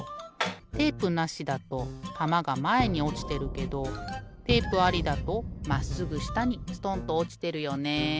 テープなしだとたまがまえにおちてるけどテープありだとまっすぐしたにストンとおちてるよね。